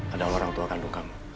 ada orang tua kandung kamu